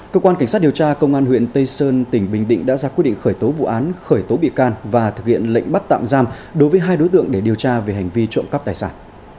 cơ quan cảnh sát điều tra công an huyện tây sơn tỉnh bình định đã ra quyết định khởi tố vụ án khởi tố bị can và thực hiện lệnh bắt tạm giam đối với hai đối tượng để điều tra về hành vi trộm cắp tài sản